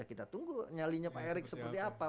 kita tunggu nyalinya pak erick seperti apa